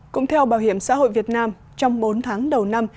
cũng theo bảo hiểm xã hội việt nam trong bốn tháng đầu năm